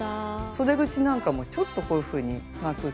そで口なんかもちょっとこういうふうにまくって。